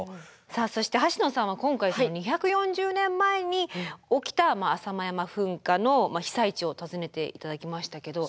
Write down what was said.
さあそしてはしのさんは今回２４０年前に起きた浅間山噴火の被災地を訪ねて頂きましたけど。